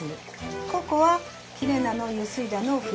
ここはきれいなのゆすいだのをふやかしとく。